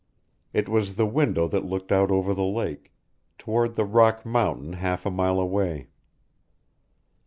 It was the window that looked out over the lake, toward the rock mountain half a mile away.